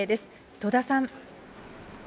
戸田さん。